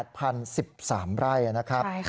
ใช่ค่ะ